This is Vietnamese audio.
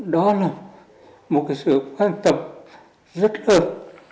đó là một cái sự quan tâm rất lớn